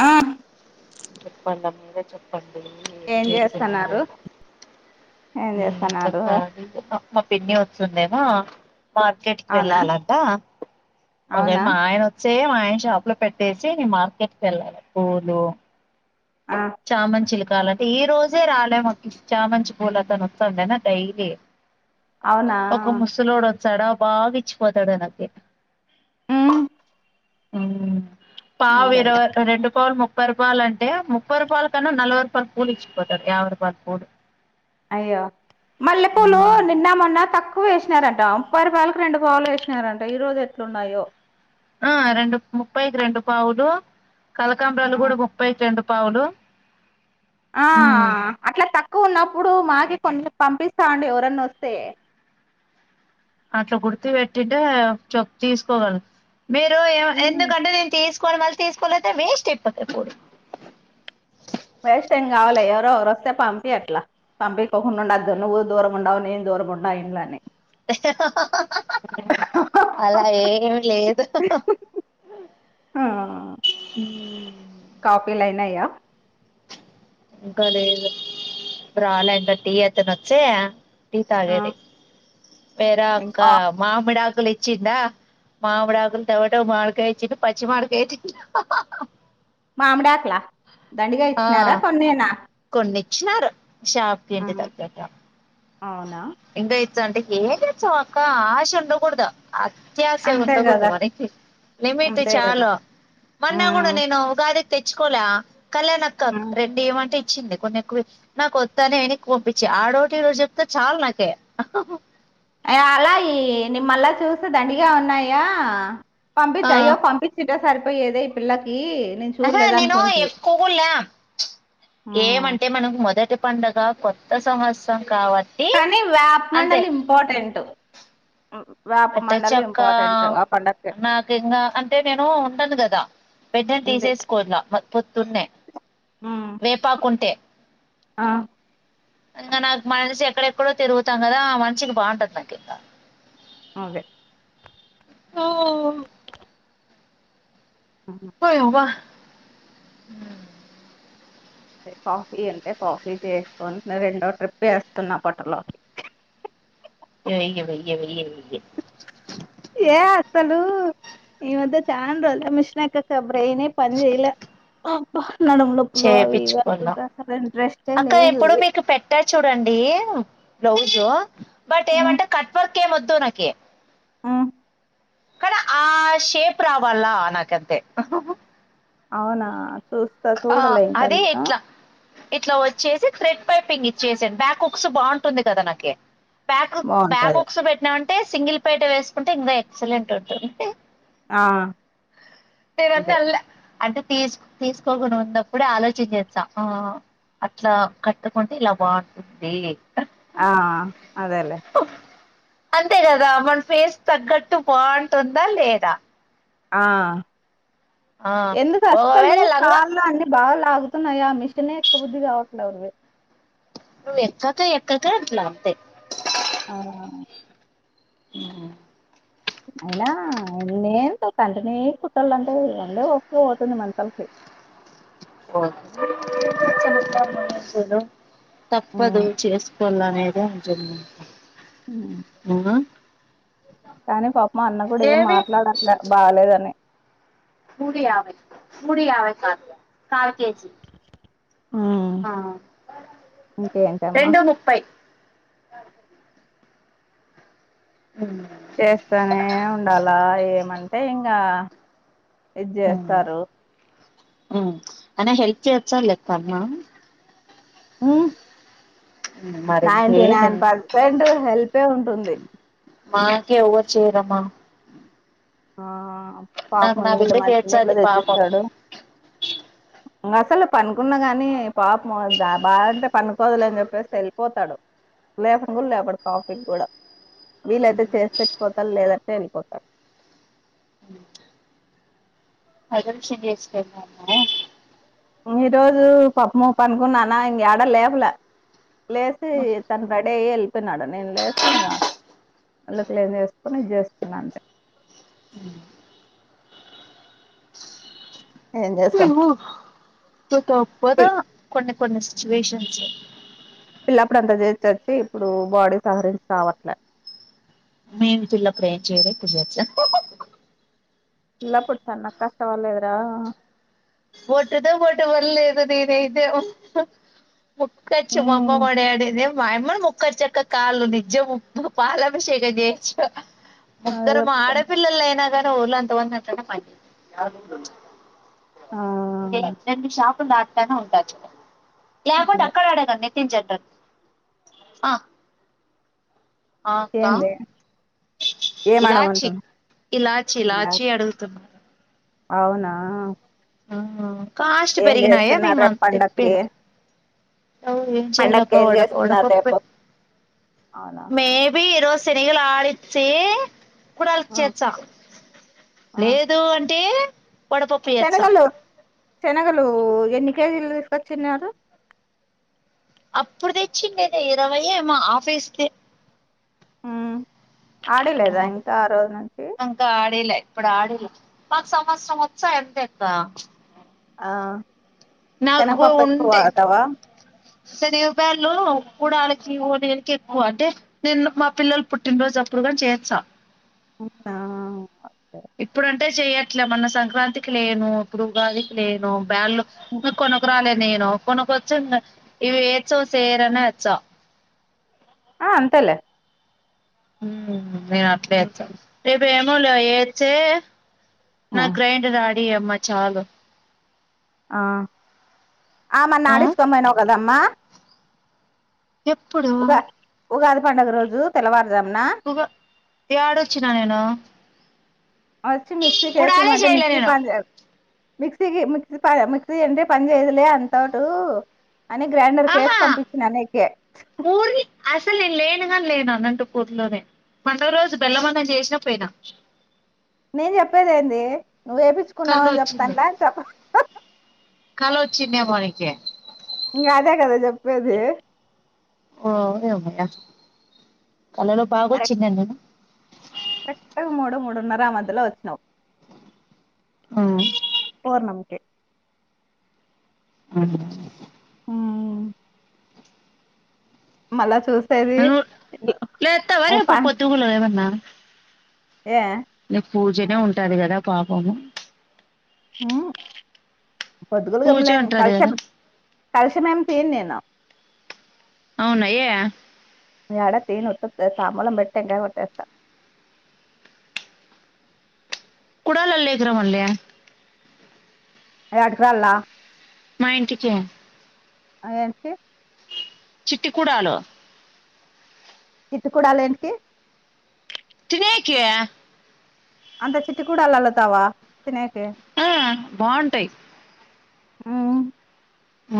ఆ చెప్పండి అమ్మ మీరే చెప్పండి ఏం చేస్తున్నారు ఏం చేస్తున్నారు ఈ మా పిన్ని వస్తుంది ఏమో అ మార్కెట్ కి అవునా వెళ్ళాలంట ఒకే అవునా మా ఆయన వ చేయా మా ఆయన షాప్ లో పెట్టేసి నేన్ మార్కెట్ కి వెళ్ళాలి పూలు ఆ చామంచిలు కాలని ఈ రోజే రాలే మాకు చామంచి పూలతను వస్తాండనా డైలీ అవునా ఒక ముసలోడు వొ స్తాడా బాగా ఇచ్చిపోతాడునాకి అవునా పావు అంతేలే ఇరవై రెండు పావులు ము పర్పాలంటే ము ముప్పై రూపాయల కన్నా నలవై రూపాయలు పూలు ఇచ్చిపోతారు యావై రూపాయలు పూలు అయ్యో మల్లెపూలు నిన్న మొన్న తక్ ఎక్కువే ఏసినారంట ముప్పై రుపారలకి రెండు పావులు ఏసినారంట ఈ రోజు ఎట్లున్నాయో ఆ రెండు ముప్పైకి రెండు పావులు కలకాంబ్రాలు గూడా ముప్పై కి రెండు పావులు ఆ ఉమ్ అట్లా తక్కువ ఉన్నప్పుడు మాకి కొంచెం పంపిస్తాండు ఎవరన్న వస్తే అట్లా గుర్తి పెట్టింటే చొప్ తీసుకోగలను మీరు ఎందుకంటే నేను తీసు కొని మరి తసు కో లేదంటే వేస్ట్ అయిపోతాయి పూలు వేస్ట్ ఏం కావులే ఎవరో ఒకవరు వస్తే పంపి అట్లా పంపికోకుండా ఉండద్దు నువ్వు దూరం ఉండావు నేను దూరం ఉండా ఇండ్లని అలా ఏమి లేదు కాఫీ లైనాయా ఇంకా లేదు రాలా ఇంకా టీ అతను వచ్చే టీ తాగేది వేరే అక్క ఇంకా మామిడి ఆకు ఆకులు ఇచ్చిందా మామిడి ఆకులు తవట మాడికాయ ఇచ్చి పచ్చి మాడికాయచ్చంద మామిడాక్ లా దండిగా ఇచ్చినారా కొన్నేనా కొన్ని ఇచ్చినారు షాప్ కి ఆ ఇంటి తగ్గాట్ట అవునా గ అంటే ఏం తెచ్చామ్ అక్క ఆశ ఉండకూడదు అత్యాస అంతే ఉండకూడదు కదా గాని లిమిట్ అంతే కదా చాలు మొన్నా కూడా నేను ఉగాది తెచ్చుకోల కళ్యాణీ అక్క రెండు ఇమంటే ఇ తెచ్చింది కొన్ని ఎక్కువే నాగొద్దని ఎనక్కి పంపించ ఆ డొటి ఇ డొటి చెప్పు ఇక చాలు నాకి అ అలా ఈ నిమల్ళ చూస్తే దండిగా ఉన్నాయా ఆ పంపించు అయ్యో పంపించి ఇట్టె సరిపోయేదే ఈ పిల్లకి నేను ఆహా చూడలేదు నేను అనుకుంటి ఎక్కువగా ల్యం ఏమంటే మనం మొదటి పండుగ కొత్త సంవత్సరం కాబట్టి కానీ వ్యాప్ మండలి ఇంపార్టెంట్ వేప మండలి పెట్టొచ్చక్క ఇంపార్టెంట్ ఆ పండక్కి నాకు ఇంకా అంటే నేను ఉండను కదా వెంటనే అంతే తీసేసుకోవల్ల పొద్దున్నే వేపాకుంటే ఆ ఇంకా నాకు మనసు ఎక్కడెక్కడో తిరుగుతాం కదా ఆ మనిషికి బాగుండదు నాకింకా అదే ఓ పోయవా హ కాఫీ అంటే కాఫీ చేసుకొని రెండో ట్రిప్ ఎస్తున్నా పొట్టలొకి ఏయ్య వెయ్య వెయ్య వే ఏమ్ అసలు ఈ మధ్య చాలా రోజులు అయ్యా మిషన్ ఎక్కక బ్రెయిన్ ఏ పని చేయిలా నడము నొప్పులు అవి ఇవి చేపిచ్చుకున్నాం అనుకుంటా అసలు ఇంట్రెస్ట్ అక్క ఇప్పుడు మీకు పెట్టా చూడండి బ్లౌజు బట్ హ్మ్ ఏమంటే కట్ వర్క్ నాకేం వద్దు నాకి హ్మ్ కానీ ఆ షేప్ రావాల్ల నాకంతే అవునా చూస్తా ఆ చూడాల ఇంకా అదే నేను ఇట్లా ఇట్లా వచ్చేసి థ్రెడ్ పైపింగ్ ఇచ్చేసాను బ్యాక్ వుక్స్ బాగుంటుంది కదా నాకి బ్యాక్ బాగుంటది బ్యాక్క్స పెట్టినాం అంటే సింగిల్ పేట వేసుకుంటే ఇంకా ఎక్సలెంట్ ఉంటది ఆ అదే అన్లే అంటే టేస్స్ తీస్ కుడా ఉన్నప్పుడే ఆలోచించ చేస్తా అట్లా కట్టుకుంటే ఇలా బాగుంటుంది ఆ అదేలేే అంతే కదా మన ఫేస్ తగ్గట్టు బాగుంటుందా లేదా ఆ ఆ ఎందుకు అస్సలు ఒకవేళ లంగా కాళ అనీ బాగా లాగుతున్నాయి ఆ మిషనే ఎక్క్క బుద్ధి కావట్లేదు ను ఎక్కక ఎక్కక అట్లా వస్తాయి ఆ మ్మ్ అయినాన్నేంతో కంటినే కుట్టాలంటే అందే ఒక్ పోతుంది మనుషులకి ఓకే తప్పదు హ్మ్ చేసుకోవాలనే అ జలు హ్మ్ ఇంకా కానీ పాపమ అన్న కూడా ఏం మాట్లాడట్లే బాలేదని కుడి ఆవై కుడి ఆవై కార్య కార్ ఇంకేంటమ్మా రెండు ముప్పై అ చేస్తానే ఉండాలా ఏమంటే ఇంకా ఇది చేస్తారు అ హెల్ప్ చే వచ్చా లే ప అమ్మా మ్మ్ మరి నైన్టీ ఇంకేమి నైన్ పర్సెంట్ హెల్పే ఉంటుంది మాకే ఒ చేరమా ఆ పాపముని ఇళ్ళ బిడ్డ మంచిని ఇళ్ళ చేస్తది పాపం తెచ్చిస్తాడు ఇంకా అసలు పనుకున్న గాని పాప బాగాంటే పనుకోదులే అని చెప్పేస్త వెళ్ళిపోతాడు లేపంగ లేపడు కాఫీకి కూడా వీలయితే చేసి పెట్ పోతారు లేదంటే వెళ్ళిపోతాడు అదలుషడి [inaudible] ఈ రోజు పాప్పు మప్పు అనుకున్నానా ఇం ఏడ లేపల లేసి తన్ రడయ్ ఎల్ తిన్నాడు నేను లేసి ఇంకా నళ్లు క్లీన్ చేసుకుని ఇది చేస్తున్నా అంతె ఏం చేస్తం తో తప్పదా కొండ కొన్న సిచువేషన్స్సు పిల్లప్పుడు అంత జేచచ్చి ఇప్పుడు బాడీ సహరించి రావట్లేదు నేన్ పిల్లపుడు ఏం చేయలే పులట్ల పిలప్పుడు తన్ నాకు కష్టవళ్ళదురా ఓటు తొ ఓటు ఎవరు లేరు గదిదేఇదేవో ముక్కచ్చు మాఅమ్మ ఉమ్, మా డాడీ దేవ్ మాయమ్మను మొక్కచ్చక కాలు నిజము పాలభిషేకం చేయొచ్చు అదే మొక్కరు మా ఆడ చెప్తాను పిల్లలయినా గాని గ ఒళ్ళంతా వంచడానీకైనా పన్ జెయ్ ఆ ఇదే రెండు షాపులు దాట్తనే ఉంటది చూడే యాకుంట అదే. అక్కడడాకదనే తించేతర్ అ అక్కా ఏంది ఏం ఇలాచి అడగమంటున్నా ఇలాచి ఇలా ఇలాచీ అడుగుతున్నా అవునా ఆ కాస్ట్ ఏం పెరిగినాయా చేస్తున్నారు మేమ రేపు పండక్కి తెప్పేలా పండక్కి ఏం చేస్తున్నారు రేపు అవునా మే బీ ఈ రోజ్ చెనిగలు ఆడిచి ఆ, ఆ. లేదు అంటే వడపప్పుయాచ్చ శనగలు శనగలు ఎన్ని కేజీలు తీసుకొచ్చిన్నారు అప్పుడు తెచ్చిండేద ఇరవయే మా ఆఫీస్ కి ఊ ఆడలేదా ఇంకా ఆ రోజు నుంచి ఇంకా ఆడిలే ఇప్పుడు ఆడిలే ఆ నాకు శనగపప్పు ఎక్కువ ఉంటే వాడతావా సనిగ పేలు కుడాలి చివోణీ ఎన్ ఎక్కు అంటే నేను మా పిల్లలు పుట్టినరోజు అప్పుడుగా చేయొచ్చా ఊనా ఇప్పుడంటే చెయర్ ఇట్లా మన్న సంక్రాంతికి లేను ప్పుడు ఉగాదికి లేను బ్యాల్లు మే కొనక్క రాలేదు నేను కొనకొ వ ఇవి ఏచవ సేరనే వచ్చా ఆ అంతేలే మ్మ్ మ్మ్ మ నేను ఉమ్. అట్లేయేచ్చ [unintelligible] నువ్వుల్ల ఏచ్చే ఆ నా గ్రైండర్ ఆ డి అమ్మా చాలు ఆ ఆ మన్నా ఆడిస్ కోం బోయినావ్ గద రమ్మా ఎప్పుడు ఉగాది పండుగ రోజు తెల్లవారు ఉగా యాడ వచ్చినా నేను వచ్చి మిక్సీ కుడాలే కేసిమంటే చేయలే మిక్సీ నేను పని జేయదు మిక్సీగి మిక్సీ ప మిక్సీ అంటే పని చేయదులే అంతోటూ అని గ్రైండర్ కేసి ఆహా పంపించిన నీకే ఆలేను అనంటపూర్లోనే పండగ రోజు బెల్లమన్నం చేసినా పోయినా నేను చెప్పేది ఏంది నువ్వు కళ్ళు వేపిచ్చుకున్నావని చెప్తన్ల్యా చెప్పు కల వచ్చిన్నేమో నీకి ఇంగ అదే గదా జెప్పేది ఓయమ్మ యా కళలో బాగ కరెక్ట్ వచ్చిన్యానేను కరెక్ట్ మూడు మూడున్నర ఆ మధ్యలో వచ్చినావ్ పూర్ణంకే అహ ఆ మళ్ళ చూస్ నువ్వు లేత్తావ రేపు పా పొద్దుగుల ఏమన్నా ఏ నీకు పూజనే ఉంటాది కదా పాపము మ్మ్ పొద్దుగులుగా మ్మ్ పూజ నేన్ ఉంటుంది కదా కల్శం కల్శమేమి తీయన్ నేను అవునా ఏ నే యాడ తీయన్ వొత్తు దే తాంబళం పెట్టెంకాయ కొట్టేస్తా కుడాలలేకిరం ఉల్లే అయ అటుకరాల్ల మా ఇంటికి అఏంటి చిట్టి కుడాలు చిట్టి కుడాలేంటికి తినెయ్యకే అంత చిట్టి కుడాలల్లతావా తినేయకే బాగుంటయి ఉం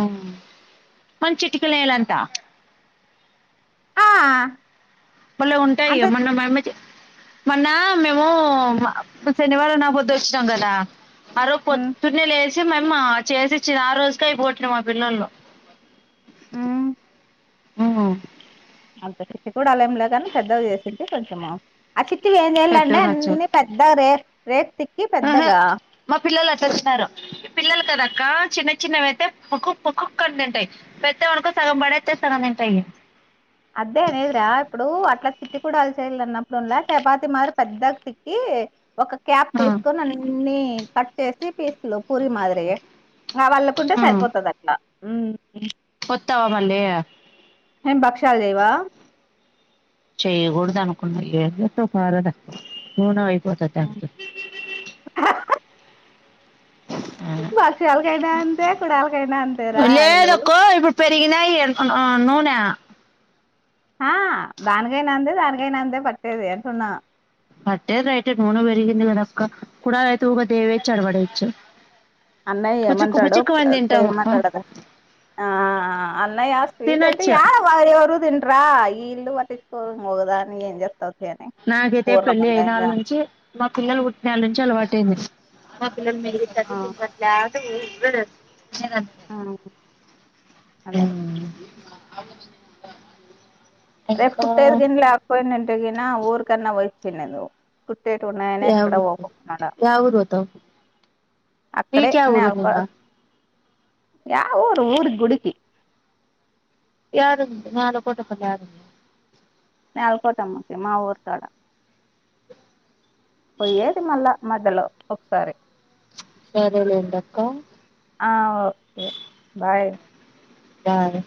ఉం మన చిటికనేలంత ఆ బలే ఉంటాయి అంత ఇగ మొన్న మ యమ్మ చే మొన్న మేము శనివారం నా పొద్దు వచ్చినాం కదా అరో మ్మ్ పొద్దున్నే లే మ యమ్మా చేసి ఇచ్చి ఆ రోజుకే అయిపోగొట్టిండు మా పిల్లోల్లు మ్మ్ ఆ అంత చిట్టి కుడలేం లేకని పెద్దవి చేసుంటే కొంచెము ఆ చిట్ ట్టిఎం చేయళ్ళంటే అన్ని పెద్దగా దే రె ఎ హే మా పిల్లలు అట్ట వచ్చినారు పిల్లలు కదాక్క చిన్న చిన్నవియితే పకుక్ పకుక్ అని తింటయి పెద్దవనుకో సగం పడెత్తయి సగం తింటయి అదే న్నప్పుడంల్ల చపాతి మారి పెద్దాగ చిక్కి ఒక క్యాప్ తీసుకొని నన్ఇన్ని కట్ చేసి పీసులు పూరి మాదిరిగా ఆ వాళ్ళకుంటే సరిపోతది అట్లా ఉం కొత్తగా పడ్ళ్ళేయా ఎం బక్షాలు చేయ్వా చేయ్యకూడదనుకున్నా ఎం చెత్తవ్ పారదా నునవై పోతదానితో బక్షాలకైనా అంతే కుడాల కైనా అంతేరా ఇలు పెరిగిినాయి అను ఉ నూన ఆ దానికైనా అందే దానికైనా అందే పట్టేది అంటున్నా పట్టేది రైటే నూన పెరిగింది కనక్క కుడాలైతే ఊగా దేవేయచ్చు అడబడేయచ్చు అన్నయ్య ఏమంటాడో చేమ్ మంట్టాడు కదా ఆ అన్నయ్య స్వీట్ అంటే తినొచ్చు యాడవా ఎవరు తిన్రా ఈ ఇల్లు పట్టిచు కో మోగదాని ఏం జే నాకైతే పెళ్ళి అయినాళ్ నుంచి మా పిల్లలు పుట్టినాళ్ళ నుంచి అలవాటు అయింది హ పిల్లలమీదకి ఆ [unintelligible] [unintelligible] ఆ అదేలే [inaudible] రేపు ఇంకా కుట్టేది [unintelligible] [unintelligible] నా ఊర్ కన్నా వచ్చినదో [unintelligible] ఉన్నాయని యా ఎక్కడ ఊరికి పోకున్నాడా యా ఊరు పోతావు అక్కడే నీకు యా ఊరు ఉంది నల ఇంకా యా ఊ పోయారు గుడికి ఏడ ఉంటున్నారు కోటప్ప గారు నేలకోటమ్మకి మా ఊరు కాడ పోయేది మళ్ళా మధ్యలో ఒకసారి సరే లేండక్క ఆ ఓకే బాయ్ సరే